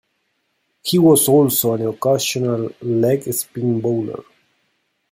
He was also an occasional leg spin bowler.